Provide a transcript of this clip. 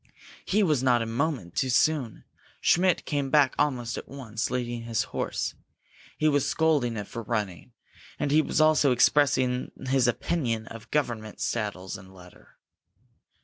He was not a moment too soon. Schmidt came back almost at once, leading his horse. He was scolding it for running, and he was also expressing his opinion of government saddles and leather.